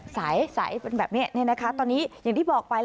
ใสเป็นแบบนี้ตอนนี้อย่างที่บอกไป